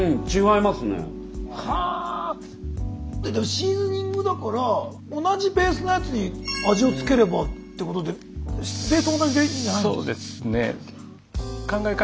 シーズニングだから同じベースのやつに味を付ければってことでベースは同じでいいんじゃないですか？